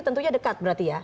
tentunya dekat berarti ya